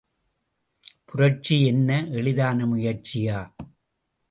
புரட்சி என்ன எளிதான முயற்சியா?